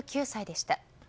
８９歳でした。